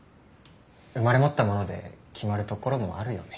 生まれ持ったもので決まるところもあるよね。